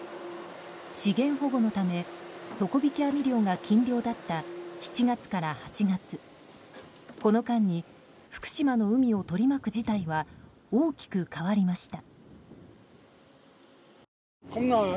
資源保護のため、底引き網漁が禁漁だった７月から８月この間に福島の海を取り巻く事態は大きく変わりました。